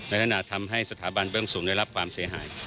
อาทนาทำให้สถาบันเวิ่งสูงได้รับความเสียหาย